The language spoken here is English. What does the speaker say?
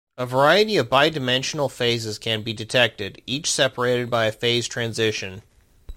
A variety of bidimensional phases can be detected, each separated by a phase transition.